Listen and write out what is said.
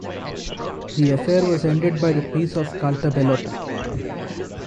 The affair was ended by the peace of Caltabellotta.